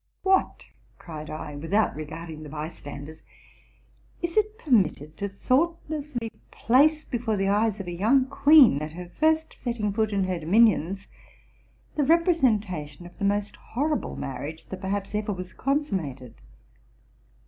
'* What!' cried I, without regarding the by standers, '' is it permitted so thoughtlessly to place before the eyes of a young queen, at her first setting foot in her dominions, the representation of the most horrible marriage that perhaps ever was consummated?